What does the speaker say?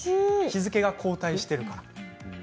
日付が後退しているから。